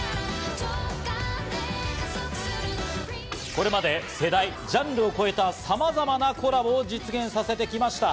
これまで世代、ジャンルを超えた、さまざまなコラボを実現させてきました。